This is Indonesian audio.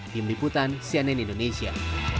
tim liputan cnn indonesia